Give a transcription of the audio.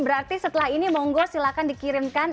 berarti setelah ini monggo silahkan dikirimkan